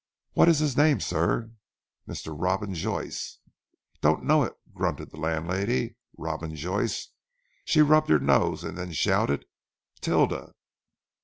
"What is his name sir?" "Mr. Robin Joyce." "Don't know it," grunted the landlady. "Robin Joyce," she rubbed her nose, and then shouted. "Tilda!